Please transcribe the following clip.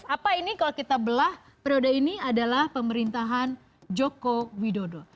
apa ini kalau kita belah periode ini adalah pemerintahan joko widodo